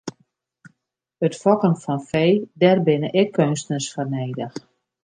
It fokken fan fee, dêr binne ek keunstners foar nedich.